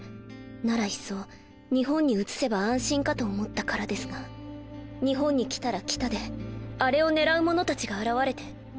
ならいっそ日本に移せば安心かと思ったからですが日本に来たら来たであれを狙う者たちが現れて。